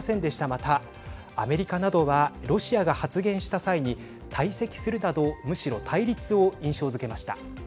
また、アメリカなどはロシアが発言した際に退席するなどむしろ対立を印象づけました。